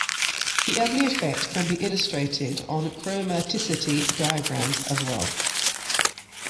The Abney effect can be illustrated on chromaticity diagrams as well.